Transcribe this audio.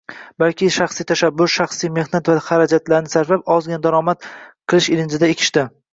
balki shaxsiy tashabbus, shaxsiy mehnat va xarajatni sarflab, ozgina daromad olish ilinjida ekishdi.